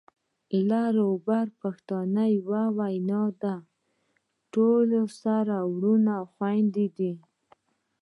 لر او بر پښتانه يوه وینه ده، ټول سره وروڼه خويندي دي